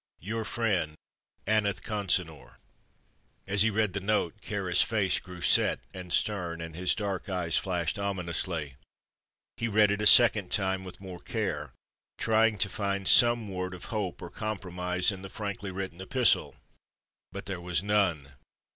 Your friend, ANETH CONSINOR. As he read the note Kāra's face grew set and stern and his dark eyes flashed ominously. He read it a second time, with more care, trying to find some word of hope or compromise in the frankly written epistle. But there was none.